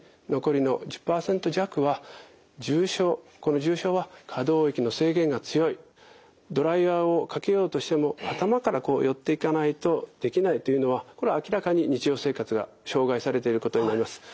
この重症は可動域の制限が強いドライヤーをかけようとしても頭からこう寄っていかないとできないというのはこれは明らかに日常生活が障害されていることになります。